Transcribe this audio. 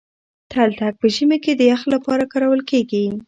تلتک په ژمي کي د يخ لپاره کارول کېږي.